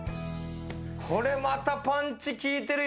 これまたパンチ効いてるよ。